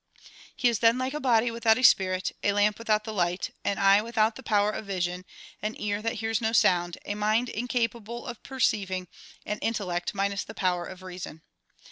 He is then like a body without a spirit, a lamp without the light, an eye without the power of vision, an ear that hears no sound, a mind incapable of perceiving, an intellect minus the power of reason.